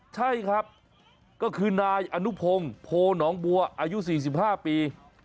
ใช่ครับก็คือนายอนุพงศ์โพหนองบัวอายุ๔๕ปี